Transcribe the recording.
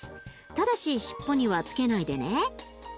ただし尻尾にはつけないでね。